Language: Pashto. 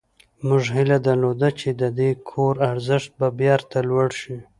موږ هیله درلوده چې د دې کور ارزښت به بیرته لوړ شي